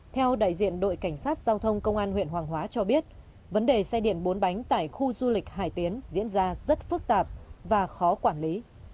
theo đại diện đội cảnh sát giao thông công an huyện hoàng hóa cho biết vấn đề xe điện bốn bánh tại khu du lịch hải tiến diễn ra rất phức tạp và khó quản lý